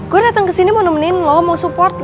gue datang kesini mau nemenin lo mau support lo